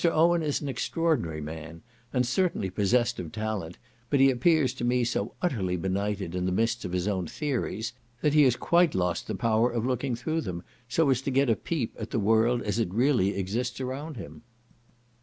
Owen is an extraordinary man, and certainly possessed of talent, but he appears to me so utterly benighted in the mists of his own theories, that he has quite lost the power of looking through them, so as to get a peep at the world as it really exists around him.